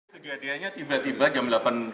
sejadianya tiba tiba jam delapan dua puluh lima